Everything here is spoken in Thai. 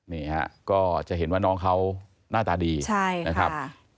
นี่ฮะก็จะเห็นว่าน้องเขาหน้าตาดีนะครับ